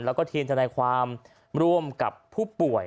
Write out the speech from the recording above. แล้วก็ทีมทนายความร่วมกับผู้ป่วย